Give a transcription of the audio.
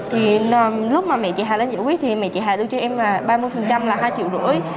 thì lúc mà mẹ chị hà lên giải quyết thì mẹ chị hà đưa cho em là ba mươi là hai triệu rưỡi